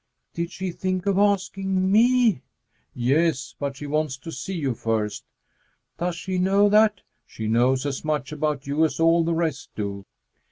"Did she think of asking me?" "Yes; but she wants to see you first." "Does she know that " "She knows as much about you as all the rest do."